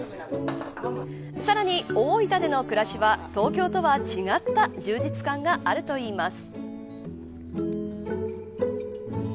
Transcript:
さらに、大分での暮らしは東京とは違った充実感があるといいます。